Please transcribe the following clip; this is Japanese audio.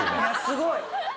すごい。